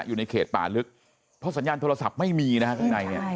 อยู่ในเขตป่าลึกเพราะสัญญาณโทรศัพท์ไม่มีนะฮะข้างในเนี่ย